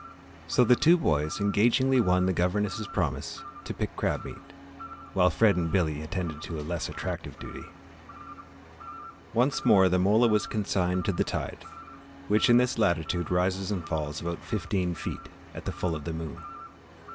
So the two boys engagingly won the governess' promise to pick crab meat, while Fred and Billy attended to a less attractive duty. Once more the mola was consigned to the tide, which in this latitude rises and falls about fifteen feet at the full of the moon.